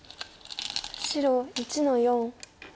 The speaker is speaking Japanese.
白１の四。